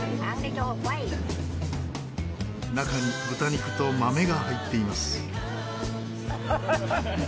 中に豚肉と豆が入っています。